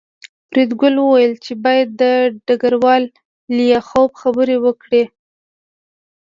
فریدګل وویل چې باید ډګروال لیاخوف خبر کړو